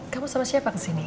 kamu sama siapa kesini